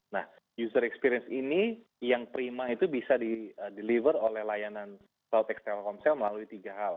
nah user experience ini yang prima itu bisa di deliver oleh layanan cloutex telkomsel melalui tiga hal